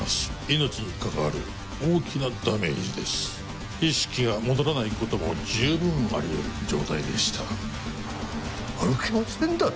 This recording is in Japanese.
命に関わる大きなダメージです意識が戻らないことも十分ありえる状態でした歩けませんだと？